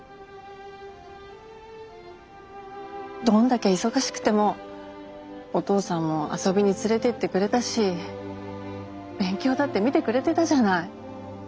どんだけ忙しくてもお父さんも遊びに連れてってくれたし勉強だって見てくれてたじゃない。